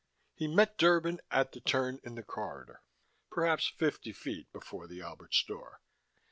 He met Derban at the turn in the corridor, perhaps fifty feet before the Alberts' door.